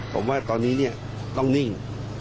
ผมว่าตอนนี้ต้องนิ่ง